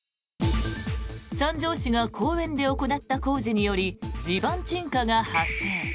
三条市が公園で行った工事により地盤沈下が発生。